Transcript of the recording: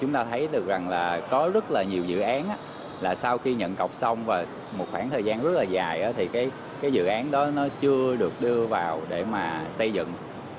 chúng ta thấy được rằng là có rất là nhiều dự án là sau khi nhận cọc xong và một khoảng thời gian rất là dài thì cái dự án đó nó chưa được đưa vào để mà xây dựng